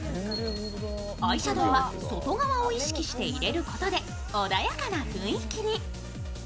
アイシャドーは外側を意識して入れることで穏やかな雰囲気に。